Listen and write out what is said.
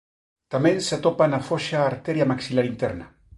Tamén se atopa na foxa a arteria maxilar interna.